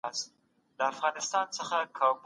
بېړنیو روغتونونو ته ماشومانو شمېر زیات شوی.